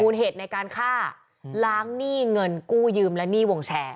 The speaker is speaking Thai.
เหตุในการฆ่าล้างหนี้เงินกู้ยืมและหนี้วงแชร์